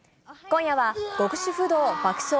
今夜は、極主夫道爆笑！